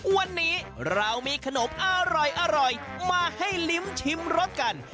วันนี้เรามีขนมอร่อยมาให้ลิ้มชิมรสกัน